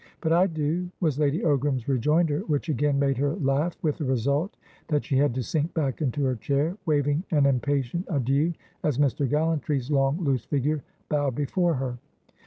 "But I do," was Lady Ogram's rejoinder, which again made her laugh, with the result that she had to sink back into her chair, waving an impatient adieu as Mr. Gallantry's long, loose figure bowed before her.